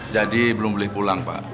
jadi belum boleh pulang pak